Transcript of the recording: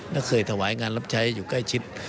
และเคยถวายงานรับใช้อยู่ใกล้ชิด